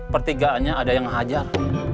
pertigaannya ada yang menghajar